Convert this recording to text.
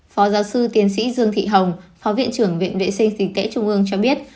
phó giáo sư tiến sĩ dương thị hồng phó viện trưởng viện vệ sinh dịch tễ trung ương cho biết